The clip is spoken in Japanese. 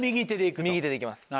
右手でいきます。